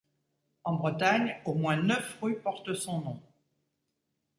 En Bretagne, au moins neuf rues portent son nom.